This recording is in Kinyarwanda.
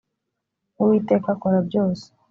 uwiteka akorabyose.